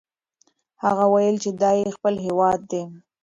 هغه وویل چې دا یې خپل هیواد دی.